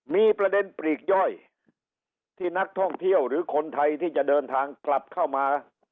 มีประเด็นปลีกย่อยที่นักท่องเที่ยวหรือคนไทยที่จะเดินทางกลับเข้ามา